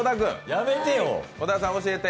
やめてよ。